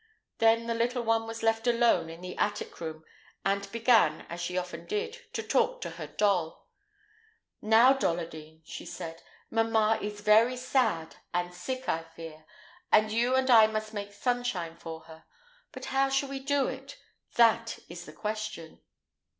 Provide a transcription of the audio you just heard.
Then the little one was left alone in the attic room, and began, as she often did, to talk to her doll. "Now, Dolladine," she said, "mamma is very sad, and sick, I fear, and you and I must make sunshine for her; but how shall we do it? that is the question.